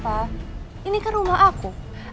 karena berhubungan sama dia